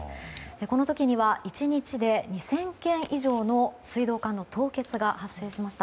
この時には１日で２０００件以上の水道管の凍結が発生しました。